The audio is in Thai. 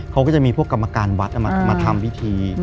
เขาก็จะมีพวกกรรมการวัดมาทำพิธี